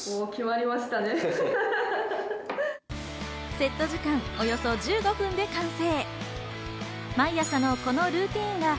セット時間およそ１５分で完成。